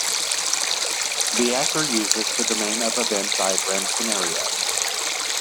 The Actor uses the domain of event diagram scenarios.